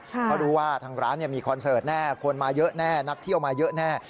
เพราะรู้ว่าทางร้านมีคอนเสิร์ตแน่คนมาเยอะแน่นักเที่ยวมาเยอะแน่